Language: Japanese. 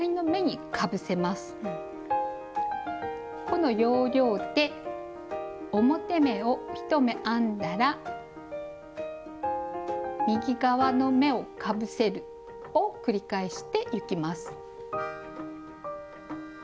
この要領で表目を１目編んだら右側の目をかぶせるを繰り返していきます。